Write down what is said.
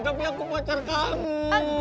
tapi aku pacar kamu